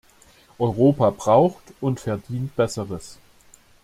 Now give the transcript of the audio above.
Europa braucht und verdient Besseres.